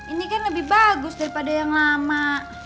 ini kan lebih bagus daripada yang lama